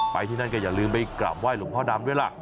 ที่นั่นก็อย่าลืมไปกลับไห้หลวงพ่อดำด้วยล่ะ